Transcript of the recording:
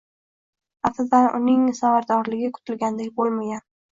Aftidan, uning samaradorligi kutilganidek boʻlmagan.